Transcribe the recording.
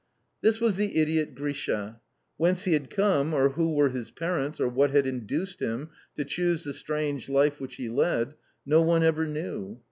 This was the idiot Grisha. Whence he had come, or who were his parents, or what had induced him to choose the strange life which he led, no one ever knew.